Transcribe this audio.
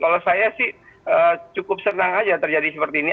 kalau saya sih cukup senang aja terjadi seperti ini